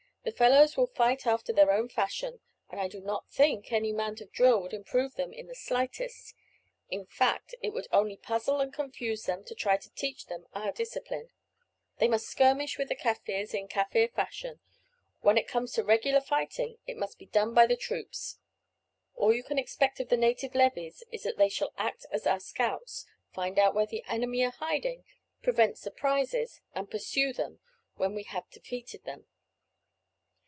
"The fellows will fight after their own fashion, and I do not think any amount of drill would improve them in the slightest; in fact, it would only puzzle and confuse them to try to teach them our discipline. They must skirmish with the Kaffirs in Kaffir fashion. When it comes to regular fighting, it must be done by the troops. All you can expect of the native levies is that they shall act as our scouts, find out where the enemy are hiding, prevent surprises, and pursue them when we have defeated them."